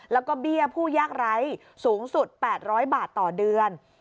แล้วก็เบี้ยผู้ยากไร้สูงสุด๘๐๐บาทต่อเดือน